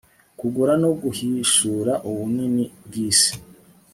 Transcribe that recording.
gukura no guhishura ubunini bwisi